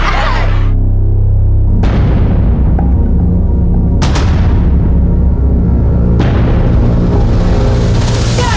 ได้ได้